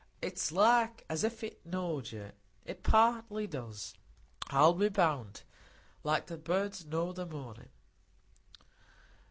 It's like as if it knowed you; it partly does, I'll be bound,—like the birds know the mornin'."